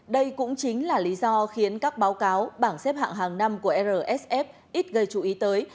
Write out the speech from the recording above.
đây cũng chính là lý do khiến các báo cáo bảng xếp hạng hàng năm của rsf ít gây chú ý tới